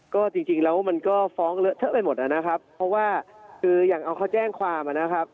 ก็จริงแล้วมันก็ฟ้องเลอะเทอะไปหมดนะครับเพราะว่าคืออย่างเอาเขาแจ้งความนะครับ